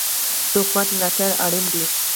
د حکومت ملاتړ اړین دی.